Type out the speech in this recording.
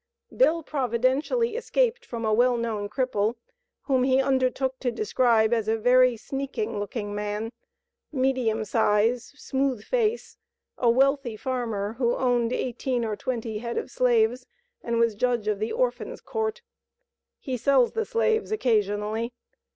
Bill providentially escaped from a well known cripple, whom he undertook to describe as a "very sneaking looking man, medium size, smooth face; a wealthy farmer, who owned eighteen or twenty head of slaves, and was Judge of the Orphans' Court." "He sells slaves occasionally."